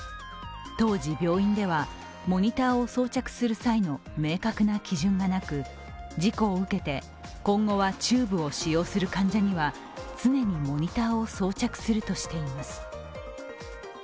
当時、病院ではモニターを装着する際の明確な基準がなく、事故を受けて今後チューブを使用する患者には常にモニターを装着するとしています。